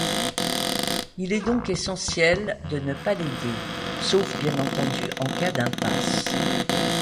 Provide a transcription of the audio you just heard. Il est donc essentiel de ne pas l’aider, sauf bien entendu en cas d’impasse.